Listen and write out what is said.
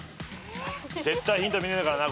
絶対ヒント見ねえからな。